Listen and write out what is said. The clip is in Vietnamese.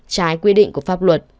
trái quy định của pháp luật